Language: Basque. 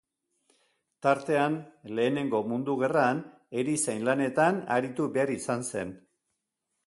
Tartean, Lehenengo Mundu Gerran erizain lanetan aritu behar izan zen.